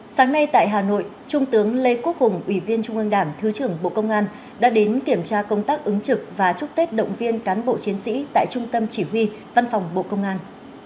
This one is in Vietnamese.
sáng nay tại hà nội trung tướng lê quốc hùng ủy viên trung ương đảng thứ trưởng bộ công an đã đến kiểm tra công tác ứng trực và chúc tết động viên cán bộ chiến sĩ tại trung tâm chỉ huy văn phòng bộ công an